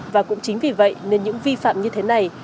và cũng chính vì vậy nên những vi phạm như thế này